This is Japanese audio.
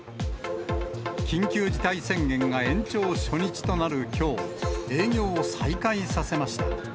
緊急事態宣言が延長初日となるきょう、営業を再開させました。